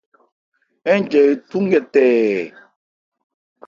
Ńjɛ ethú nkɛ tɛɛ.